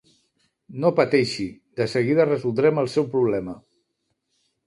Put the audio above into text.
No pateixi, de seguida resoldrem el seu problema.